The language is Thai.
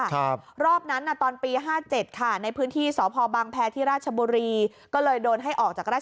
ครับรอบนั้นน่ะตอนปีห้าเจ็ดค่ะในพื้นที่สอพอบังแพทย์ที่ราชบุรี